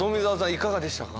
いかがでしたか？